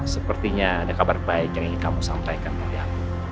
sepertinya ada kabar baik yang ingin kamu sampaikan oleh aku